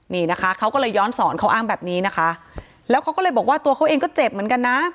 นี่นะคะเขาก็เลยย้อนสอนเขาอ้างแบบนี้นะคะแล้วเขาก็เลยบอกว่าตัวเขาเองก็เจ็บเหมือนกันนะ